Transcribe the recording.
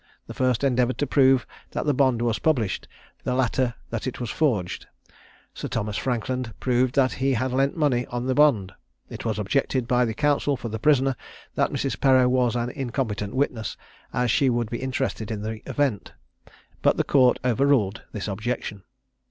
The first endeavoured to prove that the bond was published, the latter that it was forged. Sir Thomas Frankland proved that he had lent money on the bond. It was objected by the counsel for the prisoner, that Mrs. Perreau was an incompetent witness, as she would be interested in the event; but the Court overruled this objection.